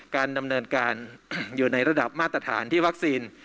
การดำเนินการอยู่ในระดับมาตรฐานที่วัคซีน